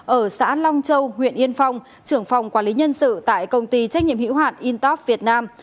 ở xã long châu huyện yên phong trưởng phòng quản lý nhân sự tại công ty trách nhiệm hữu hạn intop việt nam